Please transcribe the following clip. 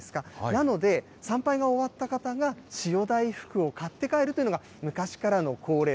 なので、参拝が終わった方が塩大福を買って帰るというのが昔からの恒例。